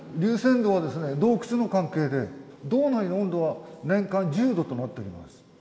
洞窟の関係で洞内の温度は年間１０℃となっております。